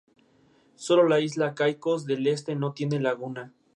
Sólo la isla Caicos del Este no tiene laguna.